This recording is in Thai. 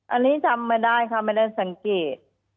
อันนี้จำไม่ได้ค่ะไม่ได้สังเกต